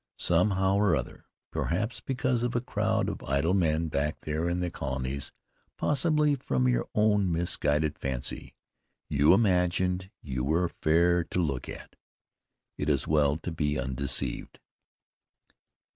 Somehow or other, perhaps because of a crowd of idle men back there in the colonies, possibly from your own misguided fancy, you imagined you were fair to look at. It is well to be undeceived."